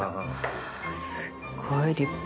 あすっごい立派。